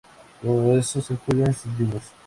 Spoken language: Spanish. Todo eso se juega en sus libros.